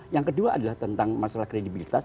yang kedua adalah tentang masalah kredibilitas